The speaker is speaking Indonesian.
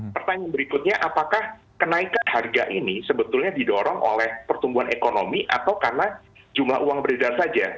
pertanyaan berikutnya apakah kenaikan harga ini sebetulnya didorong oleh pertumbuhan ekonomi atau karena jumlah uang beredar saja